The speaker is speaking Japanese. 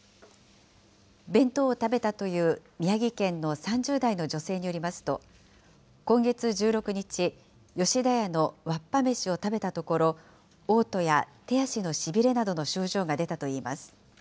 弁当を食べたという宮城県の３０代の女性によりますと、今月１６日、吉田屋のわっぱ飯を食べたところ、おう吐や手足のしびれなどの症状が出たといいます。